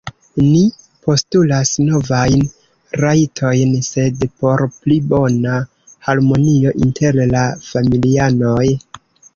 Ni postulas novajn rajtojn, sed por pli bona harmonio inter la familianoj.